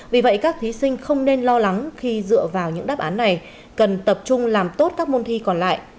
vì vậy các thí sinh không nên lo lắng khi dựa vào những đáp án này cần tập trung làm tốt các môn thi còn lại